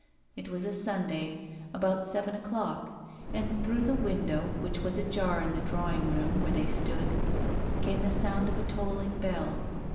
It was a Sunday, about seven o'clock, and through the window, which was ajar in the drawing room where they stood, came the sound of a tolling bell.